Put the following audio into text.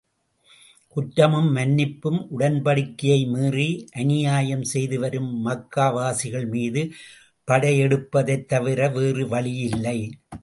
குற்றமும் மன்னிப்பும் உடன்படிக்கையை மீறி அநியாயம் செய்து வரும் மக்காவாசிகள் மீது படையெடுப்பதைத் தவிர வேறு வழியில்லை.